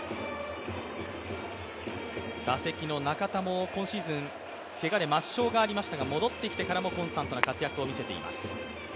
打席の中田も今シーズンけがで抹消がありましたが戻ってきてからもコンスタントな活躍を見せています。